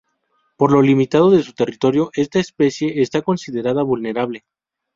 Por lo limitado de su territorio esta especie está considerada vulnerable.